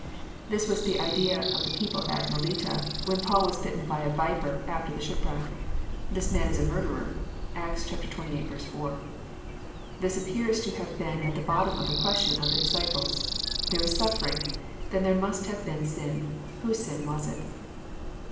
This was the idea of the people at Melita, when Paul was bitten by a viper, after the ship wreck: "This man is a murderer." (Acts xxvlii. 4.) This appears to have been at the bottom of the question of the dis ciples: "There is suffering; then there must have been sin. Whose sin was it?